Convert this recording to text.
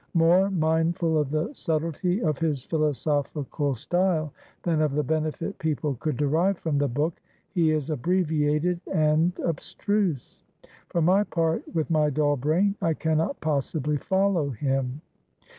More mindful of the subtlety of his philosophical style than of the benefit people could derive from the book, he is abbreviated and abstruse. For my part with my dull brain I cannot possibly follow him."